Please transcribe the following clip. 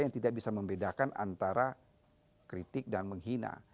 yang tidak bisa membedakan antara kritik dan menghina